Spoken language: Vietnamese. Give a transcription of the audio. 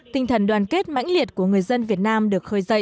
tinh thần đoàn kết mãnh liệt của người dân việt nam được khơi dậy